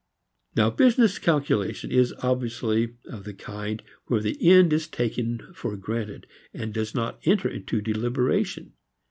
Now business calculation is obviously of the kind where the end is taken for granted and does not enter into deliberation.